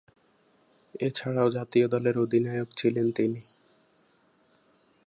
এছাড়াও জাতীয় দলের অধিনায়ক ছিলেন তিনি।